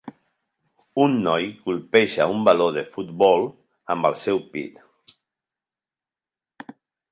Un noi colpeja un baló de futbol amb el seu pit.